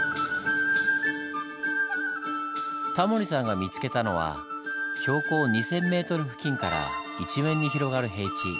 タモリさんが見つけたのは標高２０００ｍ付近から一面に広がる平地。